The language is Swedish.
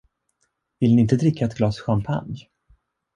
Vill ni inte dricka ett glas champagne?